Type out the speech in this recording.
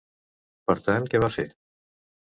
Per tant, què va fer?